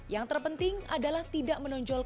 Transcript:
yang terpenting adalah tidak menonjolkan